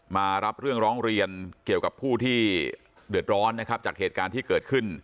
มารับเรื่องร้องเรียนเกี่ยวกับผู้ที่เดือดร้อนนะครับจากเหตุการณ์ที่เกิดขึ้น